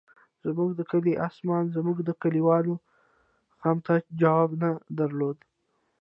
زموږ د کلي اسمان زموږ د کلیوالو غم ته جواب نه درلود.